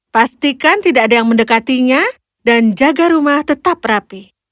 pastikan tidak ada yang mendekatinya dan jaga rumah tetap rapi